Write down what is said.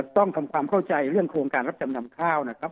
ต้องทำความเข้าใจเรื่องโครงการรับจำนำข้าวนะครับ